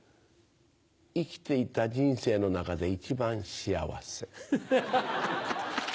生きていた人生の中で一番幸せ。